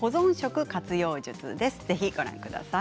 ぜひご覧ください。